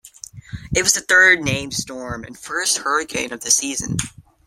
It was the third named storm and first hurricane of the season.